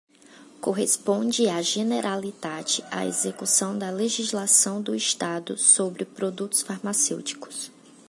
Corresponde à Generalitat a execução da legislação do Estado sobre produtos farmacêuticos.